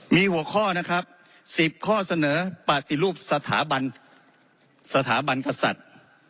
มีหัวข้อนะครับ๑๐ข้อเสนอปฏิรูปสถาบันสถาบันกษัตริย์